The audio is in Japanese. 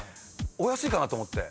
お安いかなと思って。